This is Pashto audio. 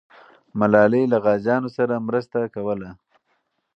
ملالۍ له غازیانو سره مرسته کوله.